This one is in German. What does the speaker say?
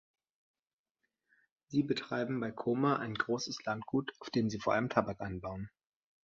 Sie betreiben bei Choma ein großes Landgut, auf dem sie vor allem Tabak anbauen.